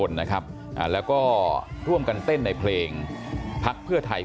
รับเงินกาเพื่อไทย